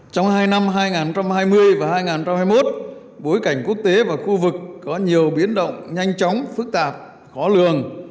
trong hai năm hai nghìn hai mươi và hai nghìn hai mươi một bối cảnh quốc tế và khu vực có nhiều biến động nhanh chóng phức tạp khó lường